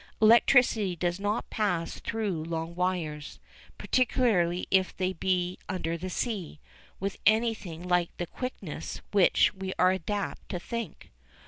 Electricity does not pass through long wires, particularly if they be under the sea, with anything like the quickness which we are apt to think.